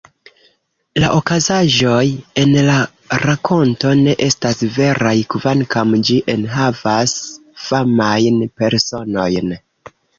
La okazaĵoj en la rakonto ne estas veraj, kvankam ĝi enhavas famajn personojn.